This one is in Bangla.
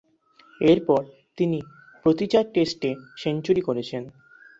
এরপর তিনি প্রতি চার টেস্টে সেঞ্চুরি করেছেন।